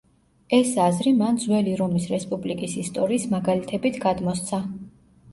ეს აზრი მან ძველი რომის რესპუბლიკის ისტორიის მაგალითებით გადმოსცა.